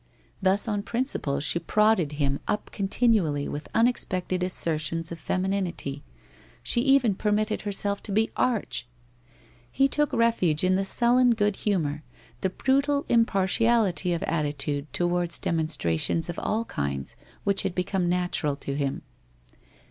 Thus on principle she prod ded him up continually with unexpected assertions of femininity, she even permitted herself to be arch! He took refuge in the sullen good humour, the brutal im partiality of attitude towards demonstrations of all kinds which had become natural to him.